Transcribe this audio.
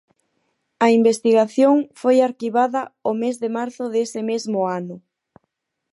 A investigación foi arquivada o mes de marzo dese mesmo ano.